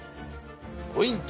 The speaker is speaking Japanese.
ポイント